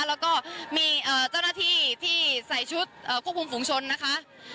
แล้วก็มีเจ้าหน้าที่ที่ใส่ชุดควบคุมฝุงชนนะคะ